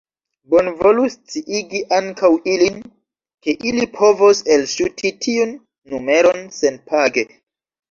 Bonvolu sciigi ankaŭ ilin, ke ili povos elŝuti tiun numeron senpage.